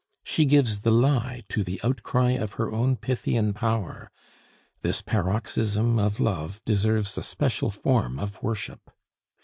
She gives the lie to the outcry of her own Pythian power. This paroxysm of love deserves a special form of worship.